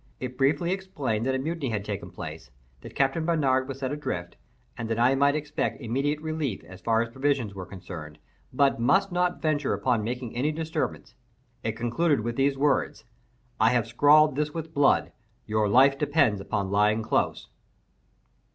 It briefly explained that a mutiny had taken place; that Captain Barnard was set adrift; and that I might expect immediate relief as far as provisions were concerned, but must not venture upon making any disturbance. It concluded with these words: "_I have scrawled this with blood—your life depends upon lying close.